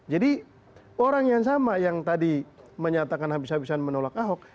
jadi orang yang sama yang tadi menyatakan habis habisan menolak ahok